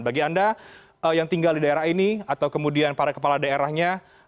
bagi anda yang tinggal di daerah ini atau kemudian para kepala daerahnya